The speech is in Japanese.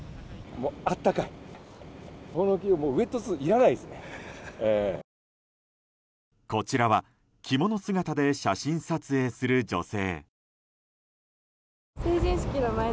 こちらは着物姿で写真撮影する女性。